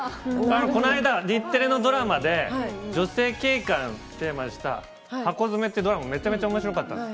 この間、日テレのドラマで、女性警官テーマにしたハコヅメってドラマ、めちゃめちゃおもしろかったんです。